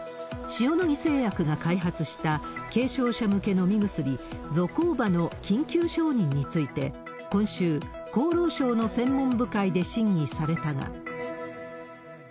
塩野義製薬が開発した軽症者向け飲み薬、ゾコーバの緊急承認について、今週、厚労省の専門部会で審議されたが。